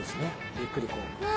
ゆっくりこう。